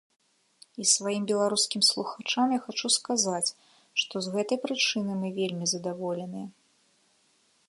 І сваім беларускім слухачам я хачу сказаць, што з гэтай прычыны мы вельмі задаволеныя.